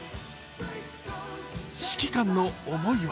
指揮官の思いは